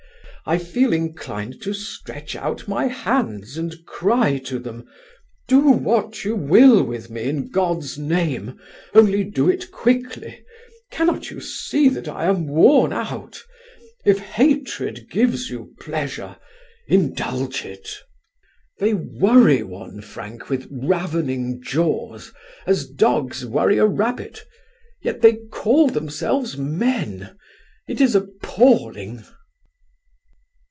I feel inclined to stretch out my hands and cry to them, 'Do what you will with me, in God's name, only do it quickly; cannot you see that I am worn out? If hatred gives you pleasure, indulge it.' They worry one, Frank, with ravening jaws, as dogs worry a rabbit. Yet they call themselves men. It is appalling."